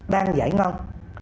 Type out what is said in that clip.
đang giải ngon